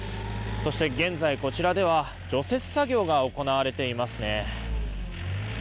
そして現在、こちらでは除雪作業が行われていますね。